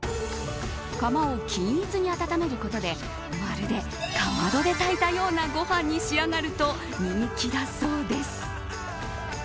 釜を均一に温めることでまるで、かまどで炊いたようなご飯に仕上がると人気だそうです。